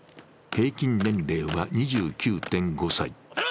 平均年齢は２９．５歳。